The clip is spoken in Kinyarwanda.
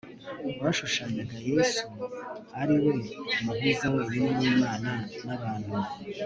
rwashushanyaga Yesu ari we Muhuza wenyine wlmana nabantu